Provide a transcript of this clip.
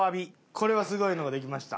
これはすごいのができました。